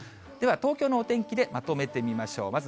では東京のお天気で、まとめてみましょう。